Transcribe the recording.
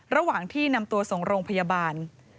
ระหว่างที่นำตัวส่งโรงพยาบาล